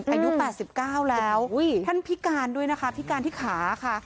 อายุแปดสิบเก้าแล้วอุ้ยท่านพิการด้วยนะคะพิการที่ขาค่ะ